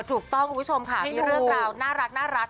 ถูกต้องคุณผู้ชมค่ะที่เรื่องราวน่ารัก